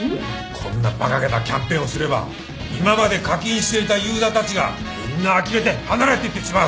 こんなバカげたキャンペーンをすれば今まで課金していたユーザーたちがみんなあきれて離れていってしまう！